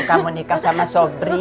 kamu nikah sama sobri